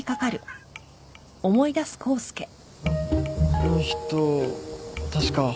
あの人確か。